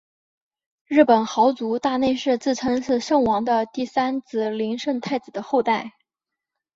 日本豪族大内氏自称是圣王的第三子琳圣太子的后代。